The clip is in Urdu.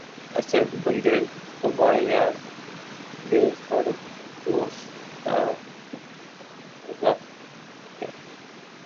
اسد! بندِ قباے یار‘ ہے فردوس کا غنچہ